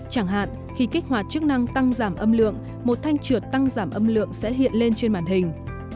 chẳng hạn khi kích hoạt chức năng tăng giảm âm lượng một thanh trượt tăng giảm âm lượng sẽ hiện lên trên màn hình